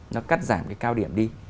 nó cắt giảm cái cao điểm đi